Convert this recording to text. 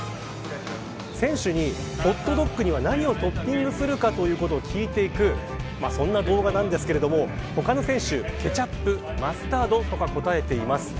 選手に、ホットドッグには何をトッピングするかということを聞いていくそんな動画なんですが他の選手はケチャップ、マスタードとか答えています。